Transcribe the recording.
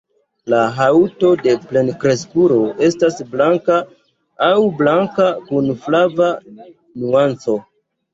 La haŭto de plenkreskulo estas blanka aŭ blanka kun flava nuanco.